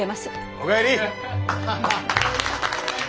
お帰り。